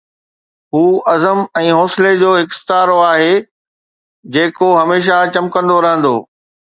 هو عزم ۽ حوصلي جو هڪ استعارو آهي، جيڪو هميشه چمڪندو رهندو.